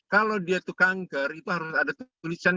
kalau dia itu kanker itu harus ada tulisan